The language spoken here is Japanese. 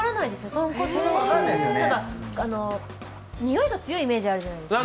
豚骨の、においが強いイメージあるじゃないですか。